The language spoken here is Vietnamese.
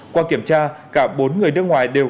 qua kiểm tra cả bốn người nước ngoài đều